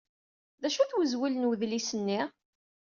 D acu-t wezwel n wedlis-nni?